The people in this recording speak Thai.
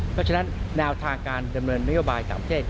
เพราะฉะนั้นแนวทางการดำเนินนโยบายต่างประเทศ